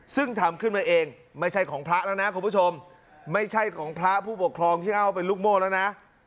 ซึ่งทำขึ้นมาเองไม่ใช่ของพระแล้วนะคุณผู้ชมไม่ใช่ของพระผู้ปกครองที่อ้างว่าเป็นลูกโม่แล้วนะ